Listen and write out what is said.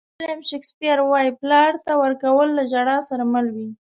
ویلیام شکسپیر وایي پلار ته ورکول له ژړا سره مل وي.